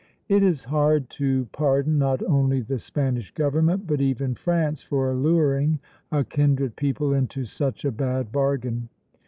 It is hard to pardon, not only the Spanish government, but even France for alluring a kindred people into such a bad bargain.